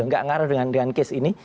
enggak ngaruh dengan kes ini